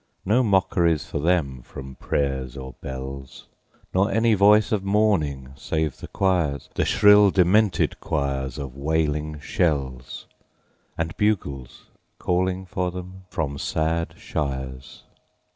No mockeries for them from prayers or bells, Nor any voice of mourning save the choirs The shrill, demented choirs of wailing shells; And bugles calling for them from sad shires.